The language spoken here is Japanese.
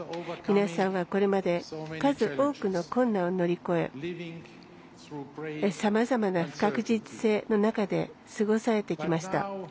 皆様はこれまで数多くの困難を乗り越えさまざまな不確実性の中で過ごされてきました。